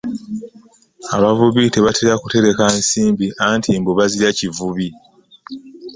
Abavubi tebatera kutereka nsimbi anti mbu bazirya kivubi.